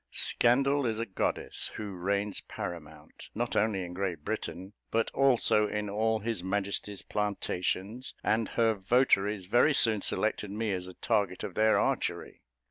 Scandal is a goddess who reigns paramount, not only in Great Britain, but also in all his Majesty's plantations; and her votaries very soon selected me as the target of their archery.